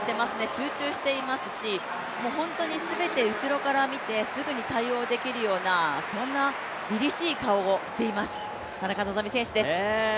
集中していますし、本当に全て後ろから見て、全て対応できるようなりりしい顔をしています、田中希実選手です。